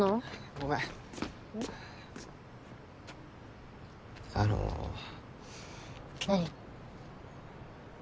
ごめんあの何？